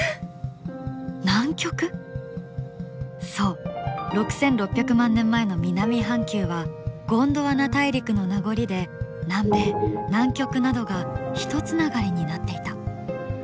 そう６６００万年前の南半球はゴンドワナ大陸の名残で南米南極などがひとつながりになっていた。